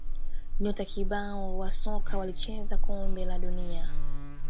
nyota kibao wa soka walicheza kombe la dunia